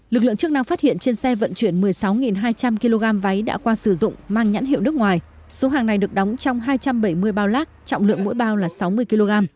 lực lượng chức năng phát hiện trên xe vận chuyển một mươi sáu hai trăm linh kg váy đã qua sử dụng mang nhãn hiệu nước ngoài số hàng này được đóng trong hai trăm bảy mươi bao lác trọng lượng mỗi bao là sáu mươi kg